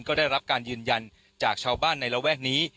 ก็ได้รับการยืนยันจากชาวบ้านในระแวกนี้